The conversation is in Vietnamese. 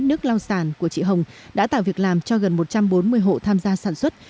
nước lao sản của chị hồng đã tạo việc làm cho gần một trăm bốn mươi hộ tham gia sản xuất